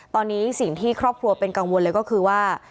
ตอนนี้สิ่งที่ครอบครัวเป็นกังวลเลยก็คือว่า